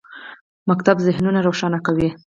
ښوونځی ذهنونه روښانه کوي.